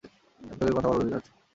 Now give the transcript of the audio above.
প্রত্যেকের কথা বলার অধিকার আছে।